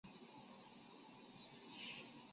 位于安徽省广德县的誓节镇。